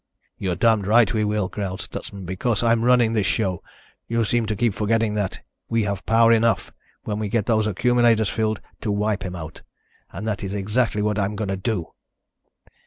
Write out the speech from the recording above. "You're damned right we will," growled Stutsman. "Because I'm running this show. You seem to keep forgetting that. We have power enough, when we get those accumulators filled, to wipe him out. And that is exactly what I'm going to do."